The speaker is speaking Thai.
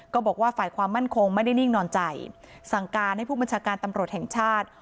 ก็บอกว่าฝ่ายความมั่นคงไม่ได้นิ่งนอนใจสั่งการให้ผู้บัญชาการตำรวจแห่งชาติ